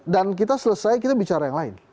dan kita selesai kita bicara yang lain